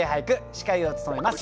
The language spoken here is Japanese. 司会を務めます